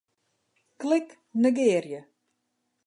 Klik Negearje.